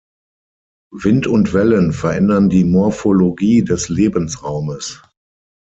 Wind und Wellen verändern die Morphologie des Lebensraumes.